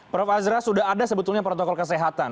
prof azra sudah ada sebetulnya protokol kesehatan